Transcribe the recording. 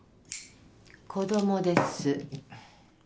子供です。